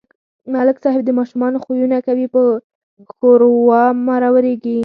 ملک صاحب د ماشومانو خویونه کوي په ښوراو مرورېږي.